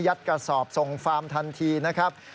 กระสอบส่งฟาร์มทันทีนะครับ